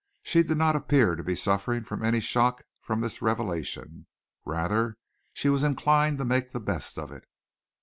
She did not appear to be suffering from any shock from this revelation. Rather she was inclined to make the best of it.